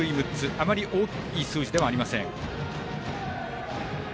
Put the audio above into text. あまり多い数字ではありません。